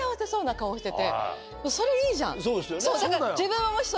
それいいじゃん